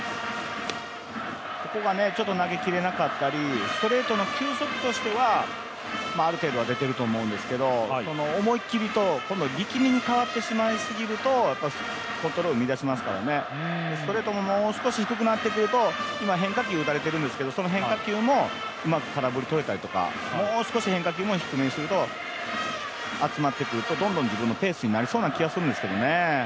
ここが投げきれなかったり、ストレートの球速としては、ある程度は出てると思うんですけど思いっきりと力みに変わってしまうとコントロール乱しますからストレートももう少し入ってくると今変化球打たれているんですけど、その変化球もうまく空振りとれたりとかもう少し変化球も低めに集まってくるとどんどん自分のペースになりそうな気がするんですけどね。